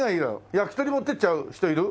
焼き鳥持っていっちゃう人いる？